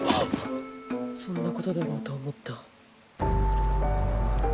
そんなことだろうと思った。